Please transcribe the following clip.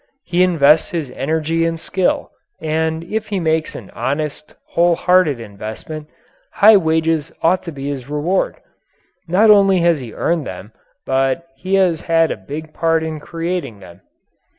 He invests his energy and skill, and if he makes an honest, wholehearted investment, high wages ought to be his reward. Not only has he earned them, but he has had a big part in creating them.